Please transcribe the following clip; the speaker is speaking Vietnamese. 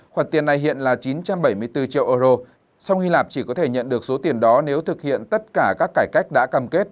khoản tiền này hiện là chín trăm bảy mươi bốn triệu euro song hy lạp chỉ có thể nhận được số tiền đó nếu thực hiện tất cả các cải cách đã cam kết